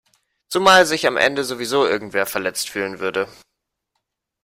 Zumal sich am Ende sowieso irgendwer verletzt fühlen würde.